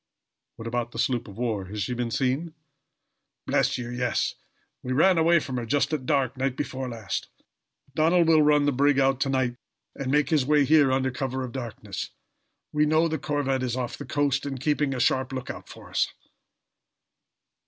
"What about the sloop of war? Has she been seen?" "Bless you, yes. We ran away from her, just at dark night before last. Donald will run the brig out to night, and make his way here under cover of darkness. We know the corvette is off the coast, and keeping a sharp lookout for us."